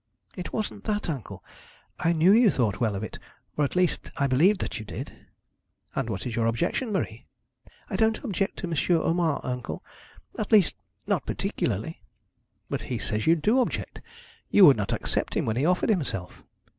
'It wasn't that, uncle. I knew you thought well of it; or, at least, I believed that you did.' 'And what is your objection, Marie?' 'I don't object to M. Urmand, uncle; at least, not particularly.' 'But he says you do object. You would not accept him when he offered himself.'